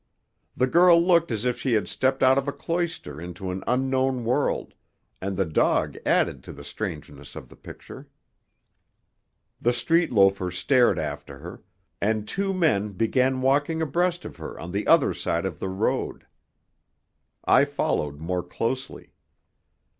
The girl looked as if she had stepped out of a cloister into an unknown world, and the dog added to the strangeness of the picture. The street loafers stared after her, and two men began walking abreast of her on the other side of the road. I followed more closely.